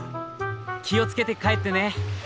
気を付けて帰ってね。